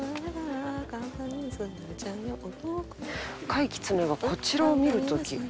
「赤いきつねがこちらを見るとき」。